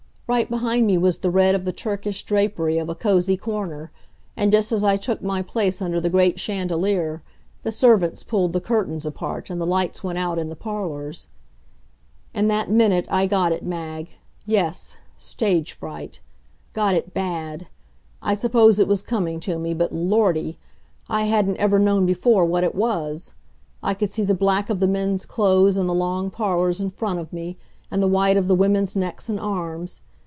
Right behind me was the red of the Turkish drapery of a cozy corner, and just as I took my place under the great chandelier, the servants pulled the curtains apart and the lights went out in the parlors. In that minute I got it, Mag yes, stage fright. Got it bad. I suppose it was coming to me, but Lordy! I hadn't ever known before what it was. I could see the black of the men's clothes in the long parlors in front of me, and the white of the women's necks and arms.